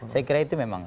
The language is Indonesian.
saya kira itu memang